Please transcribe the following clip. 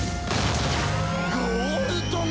「ゴールドン！